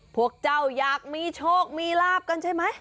พวกเจ้าอยากมีโชคมีลาบกันใช่ไหม